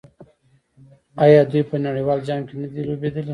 آیا دوی په نړیوال جام کې نه دي لوبېدلي؟